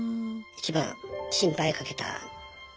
一番心配かけた。